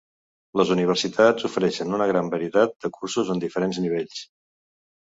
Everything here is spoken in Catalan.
Les universitats ofereixen una gran varietat de cursos en diferents nivells.